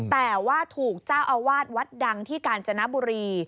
แต่ว่าถูกเจ้าอาวาสวัดดังที่กาญจนบุรี